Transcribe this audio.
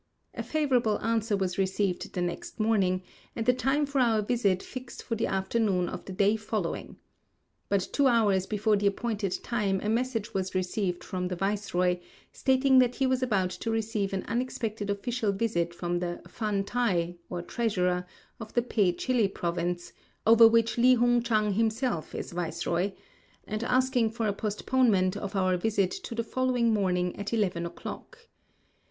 A favorable answer was received the next morning, and the time for our visit fixed for the afternoon of the day following. But two hours before the appointed time a message was received from the viceroy, stating that he was about to receive an unexpected official visit from the phantai, or treasurer, of the Pe chili province (over which Li Hung Chang himself is viceroy), and asking for a postponement of our visit to the following morning at 11 o'clock.